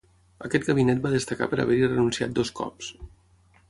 Aquest gabinet va destacar per haver-hi renunciat dos cops.